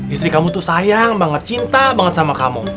istri kamu tuh sayang banget cinta banget sama kamu